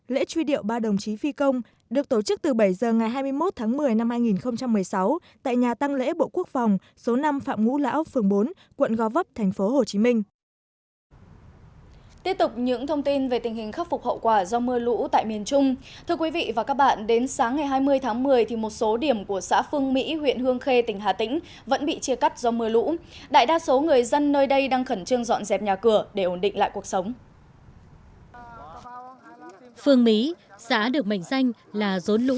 lễ truy điệu ba đồng chí phi công được tổ chức từ bảy giờ ngày hai mươi một tháng một mươi năm hai nghìn một mươi sáu tại nhà tăng lễ bộ quốc phòng số năm phạm ngũ lão